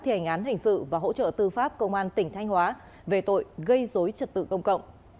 thi hành án hình sự và hỗ trợ tư pháp công an tỉnh thanh hóa về tội gây dối trật tự công cộng